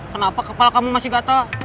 kenapa kepala kamu masih gatal